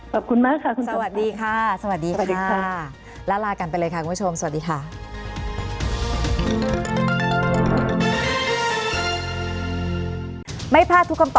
ขอบคุณมากค่ะคุณผู้วิวสวัสดีค่ะสวัสดีค่ะ